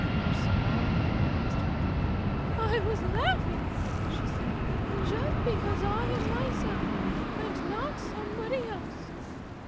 Her small round eyes twinkled. "I was laughing," she said, "just because I am myself and not somebody else."